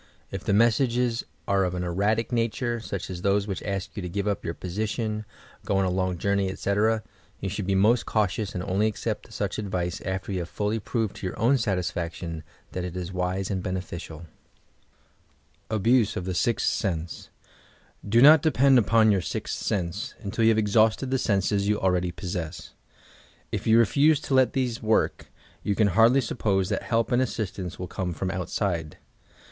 If the messages are of an erratic nature, snch as those which ask you to give up your position, go on a long journey, etc., you should be most cautious and only accept such advice after yon have fully proved to your own satisfaction that it is wise and beneficiaL ABUSE OF THE "sEXTH SENSE" Do not depend upon your "siith sense" until yoa have exhausted the senses you already possess. If you refuse to let these work, you can hardly suppose that help and assistance will come from outside.